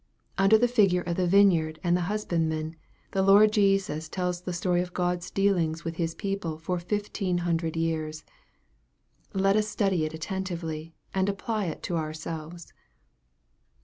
Under the figure of the vineyard and the husbandmen, the Lord Jesus tells the story of God's dealings with His people for fifteen hundred years. Let us study it attentively, and apply it to ourselves.